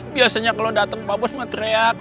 biasanya kalau datang pak bos mah teriak